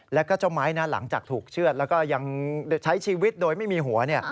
แล้วก็เจ้าไม้หลังจากถูกเชื่อดแล้วก็ยังใช้ชีวิตโดยไม่มีหัว